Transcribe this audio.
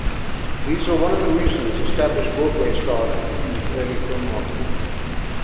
These were one of the reasons established Broadway stars refused early film offers.